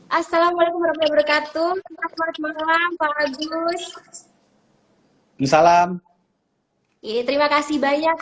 hai assalamualaikum warahmatullahi wabarakatuh selamat malam bagus salam ini terima kasih banyak